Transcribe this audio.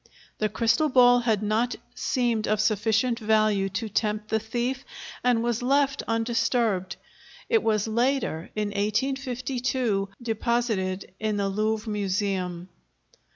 The crystal ball had not seemed of sufficient value to tempt the thief and was left undisturbed; it was later, in 1852, deposited in the Louvre Museum.